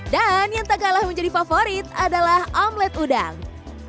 dan yang tak kalah menjadi favorit adalah omelette udang